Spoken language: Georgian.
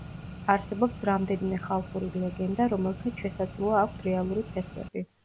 არსებობს რამდენიმე „ხალხური“ ლეგენდა, რომელთაც შესაძლოა აქვთ რეალური ფესვები.